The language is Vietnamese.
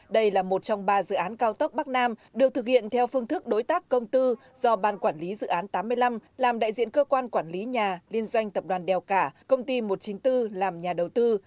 đây là một trong ba dự án cao tốc bắc nam được thực hiện theo phương thức đối tác công tư do ban quản lý dự án tám mươi năm làm đại diện cơ quan quản lý nhà liên doanh tập đoàn đèo cả công ty một trăm chín mươi bốn làm nhà đầu tư